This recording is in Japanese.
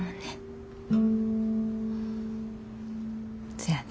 そやね。